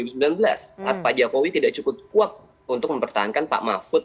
saat pak jokowi tidak cukup kuat untuk mempertahankan pak mahfud